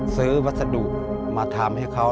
วัสดุมาทำให้เขา